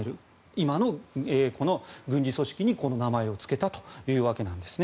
今のこの軍事組織にこの名前をつけたということなんです。